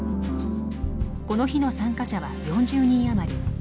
この日の参加者は４０人余り。